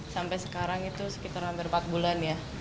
sampai sekarang itu sekitar hampir empat bulan ya